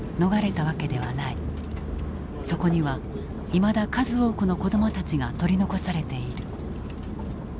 そこにはいまだ数多くの子どもたちが取り残されている。